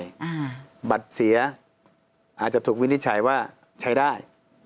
อ่าบัตรเสียอาจจะถูกวินิจฉัยว่าใช้ได้